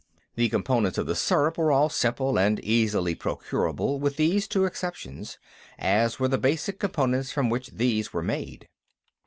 The components of the syrup were all simple and easily procurable with these two exceptions, as were the basic components from which these were made.